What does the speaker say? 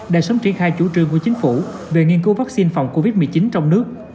để sớm triển khai chủ trương của chính phủ về nghiên cứu vaccine phòng covid một mươi chín trong nước